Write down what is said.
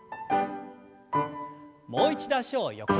もう一度脚を横に。